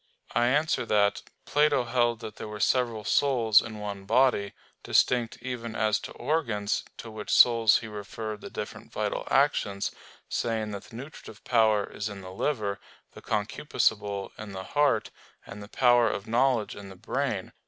I answer that, Plato held that there were several souls in one body, distinct even as to organs, to which souls he referred the different vital actions, saying that the nutritive power is in the liver, the concupiscible in the heart, and the power of knowledge in the brain.